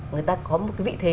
người ta có một cái vị thế